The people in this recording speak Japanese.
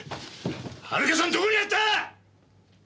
遥さんどこにやった！